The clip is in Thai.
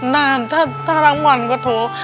นานถ้าร้างวันเขาโทร